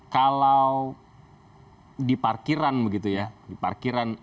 kalau di parkiran begitu ya di parkiran